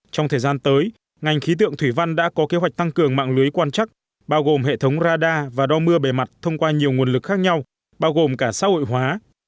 trong thời gian tới ngành khí tượng thủy văn đã có kế hoạch tăng cường mạng lưới quan chắc bao gồm hệ thống radar và đo mưa bề mặt thông qua nhiều nguồn lực khác nhau bao gồm cả xã hội hóa